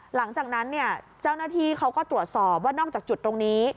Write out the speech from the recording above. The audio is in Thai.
หลังจากนั้นเนี่ยเจ้าหน้าที่เขาก็ตรวจสอบว่านอกจากจุดตรงนี้